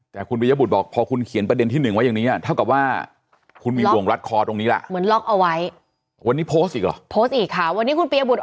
แต่คุณปียบุตรบอกพอคุณเขียนประเด็นที่หนึ่งไว้อย่างนี้